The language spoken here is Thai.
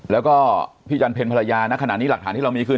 แล้วก็พี่จันเพ็ญภรรยาณขณะนี้หลักฐานที่เรามีคือ